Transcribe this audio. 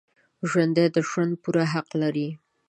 ژوندي د ژوند پوره حق لري